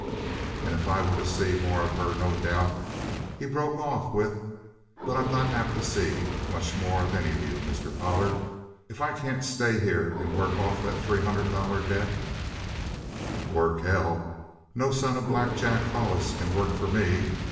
"And if I were to see more of her, no doubt " He broke off with: "But I'm not apt to see much more of any of you, Mr. Pollard. If I can't stay here and work off that three hundred dollar debt " "Work, hell! No son of Black Jack Hollis can work for me.